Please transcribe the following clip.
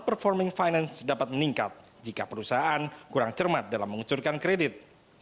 dan performing finance dapat meningkat jika perusahaan kurang cermat dalam mengucurkan kredit